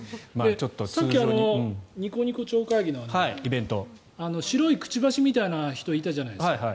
さっきニコニコ超会議の白いくちばしみたいな人いたじゃないですか。